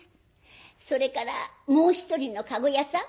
それからもう一人の駕籠屋さん